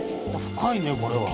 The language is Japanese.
深いねこれは。